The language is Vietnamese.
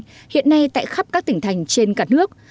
hiện nay tại khắp các tỉnh thành trên cả nước